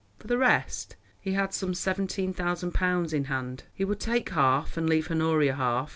For the rest, he had some seventeen thousand pounds in hand; he would take half and leave Honoria half.